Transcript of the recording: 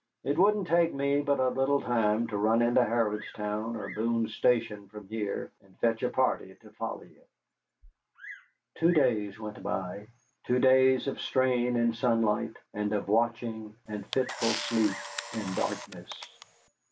It wouldn't take me but a little time to run into Harrodstown or Boone's Station from here, and fetch a party to follow ye." Two days went by, two days of strain in sunlight, and of watching and fitful sleep in darkness.